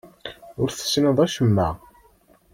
Ur tessineḍ acemma.